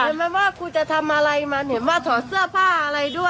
เห็นไหมว่ากูจะทำอะไรมันเห็นว่าถอดเสื้อผ้าอะไรด้วย